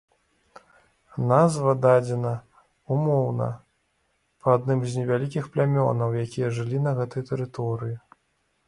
Назва дадзена ўмоўна, па адным з невялікіх плямёнаў, якія жылі на гэтай тэрыторыі.